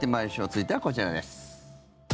続いてはこちらです。